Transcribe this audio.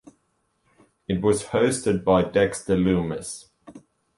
It was hosted by Dexter Lumis.